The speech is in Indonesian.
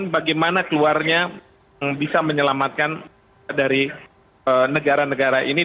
bagaimana keluarnya yang bisa menyelamatkan dari negara negara ini